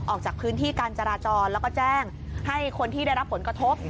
ออกจากพื้นที่การจราจรแล้วก็แจ้งให้คนที่ได้รับผลกระทบ